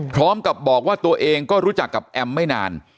พร้อมกับบอกว่าตัวเองก็รู้จักกับแอมไม่นาน